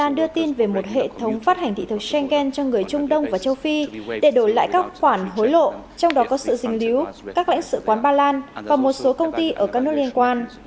iran đưa tin về một hệ thống phát hành thị thực schengen cho người trung đông và châu phi để đổi lại các khoản hối lộ trong đó có sự dình lýu các lãnh sự quán ba lan và một số công ty ở các nước liên quan